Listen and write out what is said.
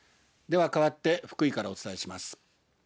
では、かわって福井からお伝えします。